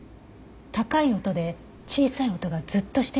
高い音で小さい音がずっとしているって事よね。